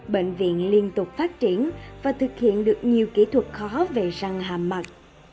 bệnh viện liên tục phát triển và thực hiện được nhiều kỹ thuật khó về răng hàm mặt